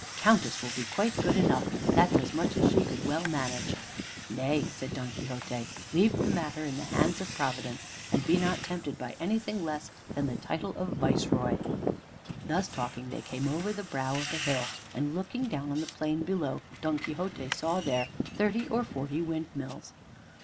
countess will be quite good enough; that's as much as she could well manage." "Nay," said Don Quixote, "leave the matter in the hands of Providence, and be not tempted by anything less than the title of Viceroy." Thus talking, they came over the brow of a hill, and looking down on the plain below, Don Quixote saw there thirty or forty windmills.